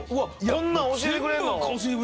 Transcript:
こんなん教えてくれるの？